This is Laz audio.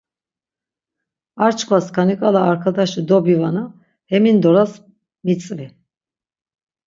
Ar çkva skaniǩala arkadaşi dobivana, hemindoras mitzvi!